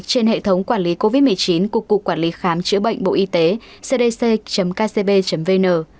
trên hệ thống quản lý covid một mươi chín của cục quản lý khám chữa bệnh bộ y tế cdc kcb vn